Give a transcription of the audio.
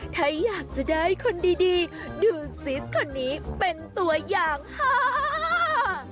ถ้าอยากจะได้คนดีดูซิสคนนี้เป็นตัวอย่างฮ่า